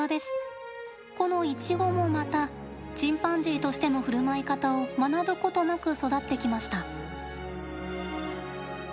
このイチゴもまたチンパンジーとしてのふるまい方を学ぶことなく育ってきました。